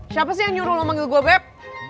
siapa sih yang nyuruh lo manggil gue beb